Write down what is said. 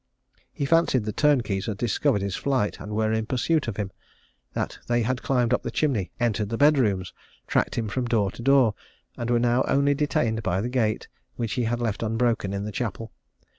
He fancied that the turnkeys had discovered his flight, and were in pursuit of him that they had climbed up the chimney entered the bed rooms tracked him from door to door, and were now only detained by the gate, which he had left unbroken in the chapel.